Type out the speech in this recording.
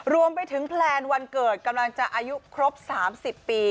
รวมไปถึงแพลนวันเกิดกำลังจะอายุครบ๓๐ปี